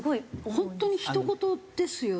本当にひとごとですよね。